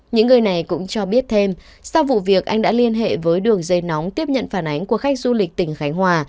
những người này cũng cho biết thêm sau vụ việc anh đã liên hệ với đường dây nóng tiếp nhận phản ánh của khách du lịch tỉnh khánh hòa